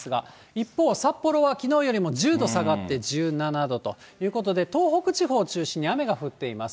一方、札幌はきのうよりも１０度下がって１７度ということで、東北地方を中心に雨が降っています。